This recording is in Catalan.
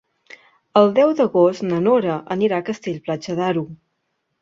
El deu d'agost na Nora anirà a Castell-Platja d'Aro.